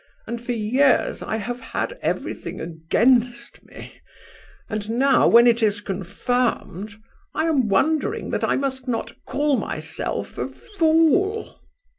and for years I have had everything against me, and now when it is confirmed, I am wondering that I must not call myself a fool!"